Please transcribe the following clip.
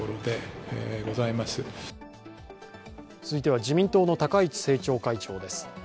続いては自民党の高市政調会長です。